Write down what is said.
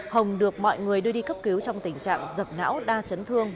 hồng được mọi người đưa đi cấp cứu trong tình trạng dập não đa chấn thương